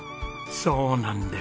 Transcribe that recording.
そうなんです。